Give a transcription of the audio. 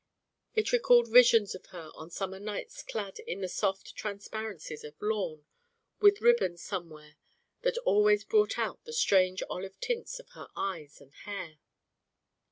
It recalled visions of her on summer nights clad in the soft transparencies of lawn, with ribbons somewhere that always brought out the strange olive tints of her eyes and hair....